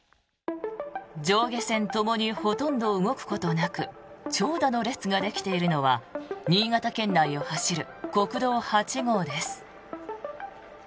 上下線ともにほとんど動くことなく長蛇の列ができているのは新潟県内を走る国道８号です。